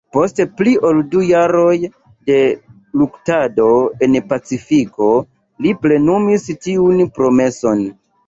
Post pli ol du jaroj de luktado en Pacifiko, li plenumis tiun promeson.